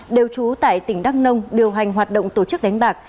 đều trú tại tỉnh đắk nông điều hành hoạt động tổ chức đánh bạc